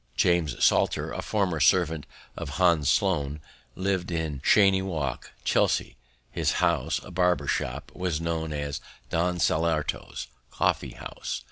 James Salter, a former servant of Hans Sloane, lived in Cheyne Walk, Chelsea. "His house, a barber shop, was known as 'Don Saltero's Coffee House.'